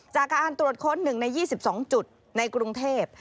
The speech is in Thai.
จากการตรวจค้น๑ใน๒๒จุดในกรุงเทพ